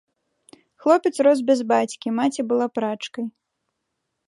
Хлопец рос без бацькі, маці была прачкай.